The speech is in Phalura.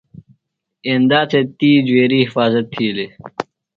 ایندا تھےۡ تی جُویری حفاظت تِھیلیۡ۔